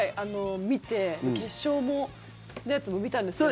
見て決勝のやつも見たんですけど。